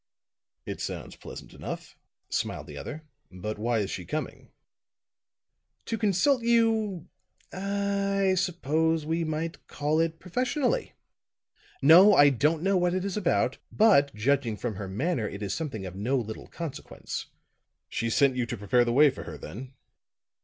"It sounds pleasant enough," smiled the other. "But why is she coming?" "To consult you ah I suppose we might call it professionally. No, I don't know what it is about; but judging from her manner, it is something of no little consequence." "She sent you to prepare the way for her, then?"